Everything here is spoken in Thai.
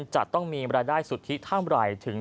จะต้องมีรายได้สุทธิเท่าไหร่